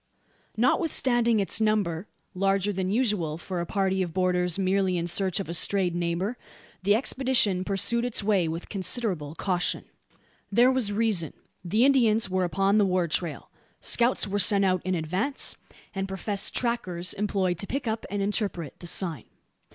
Notwithstanding its number larger than usual for a party of borderers merely in search of a strayed neighbour the expedition pursued its way with, considerable caution. There was reason. The Indians were upon the war trail. Scouts were sent out in advance; and professed "trackers" employed to pick up, and interpret the "sign."